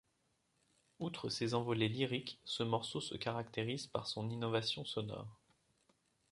Outre ses envolées lyriques, ce morceau se caractérise par son innovation sonore.